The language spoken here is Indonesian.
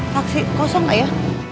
taksi kosong gak ya